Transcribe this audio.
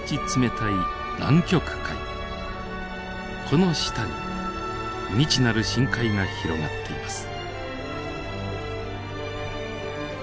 この下に未知なる深海が広がっています。